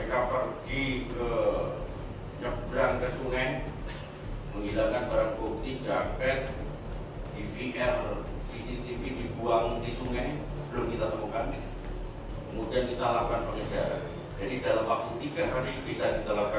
kemudian kita lakukan pengejaran jadi dalam waktu tiga hari bisa kita lakukan pengungkapan